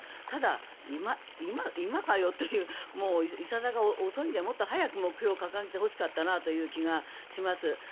ただ、今かよといういささか遅いのでもっと早く目標を掲げてほしかったなという気がします。